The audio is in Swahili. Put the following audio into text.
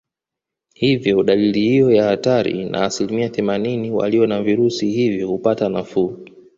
Hivyo dalili hiyo ya hatari na asilimia themanini walio na virusi hivyo hupata nafuu